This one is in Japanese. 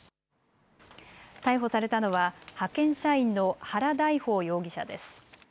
逮捕されたのは派遣社員の原大豊容疑者です。